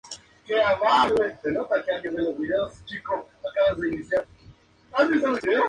El Jalpa fue el sucesor del modelo anterior y similar, el Lamborghini Silhouette.